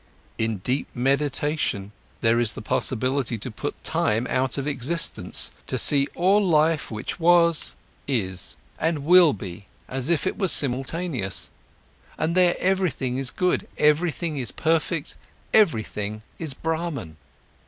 In deep meditation, there is the possibility to put time out of existence, to see all life which was, is, and will be as if it was simultaneous, and there everything is good, everything is perfect, everything is Brahman.